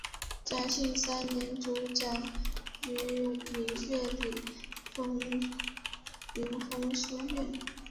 嘉庆三年主讲于明月里云峰书院。